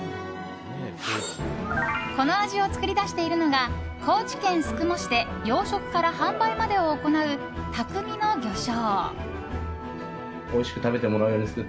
この味を作り出しているのが高知県宿毛市で養殖から販売までを行う匠の魚商。